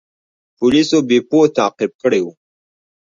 پولیسو بیپو تعقیب کړی و.